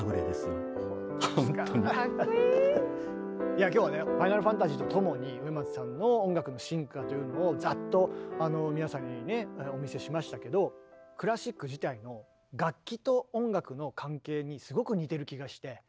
いや今日はね「ファイナルファンタジー」とともに植松さんの音楽の進化というのをざっと皆さんにねお見せしましたけどにすごく似てる気がして。